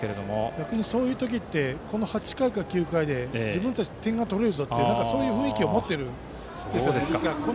逆にそういう時って８回か９回で自分たち、点が取れるぞという雰囲気を持っているんですよね。